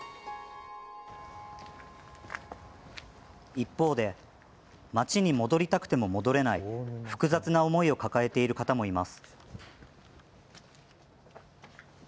一方で町に戻りたくても戻れない複雑な思いを抱えている方もいます。